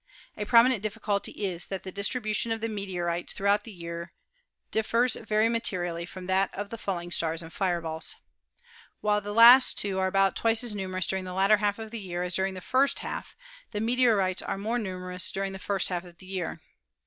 A prominent difficulty is that the distribution of the meteorites throughout the year differs very materially from that of the falling stars and fireballs. While these last two are about twice as numerous during the latter half of the year as during the first half, the meteorites are more numerous during the first half of the year.